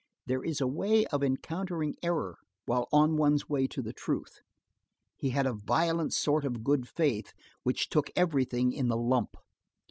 There is a way of encountering error while on one's way to the truth. He had a violent sort of good faith which took everything in the lump.